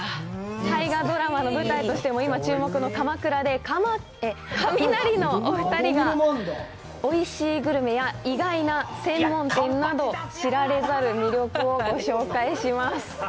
大河ドラマの舞台としても、今、注目の鎌倉で、カミナリのお２人がおいしいグルメや意外な専門店など、知られざる魅力をご紹介します。